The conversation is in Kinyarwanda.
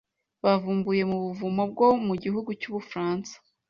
bavumbuye mu buvumo bwo mu gihugu cy’Ubufaransa